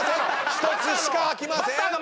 １つしか開きません！